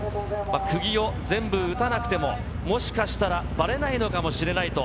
くぎを全部打たなくても、もしかしたらばれないのかもしれないと。